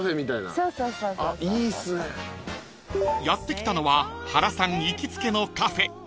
［やって来たのは原さん行きつけのカフェ］